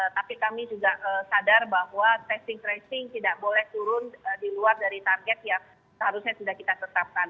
tapi kami juga sadar bahwa testing tracing tidak boleh turun di luar dari target yang seharusnya sudah kita tetapkan